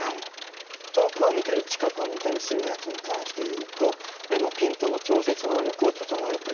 遠くを見たり近くを見たりするやつに関して言うと目のピントの調節能力を整えてくれます。